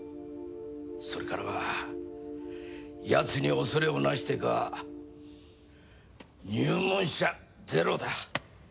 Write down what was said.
それからはやつに恐れをなしてか入門者ゼロだ。